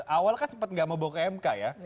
awal kan sempat nggak mau bawa ke mk ya